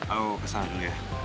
ayo kesana dulu ya